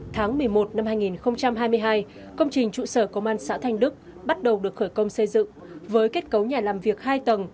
tháng một mươi một năm hai nghìn hai mươi hai công trình trụ sở công an xã thanh đức bắt đầu được khởi công xây dựng với kết cấu nhà làm việc hai tầng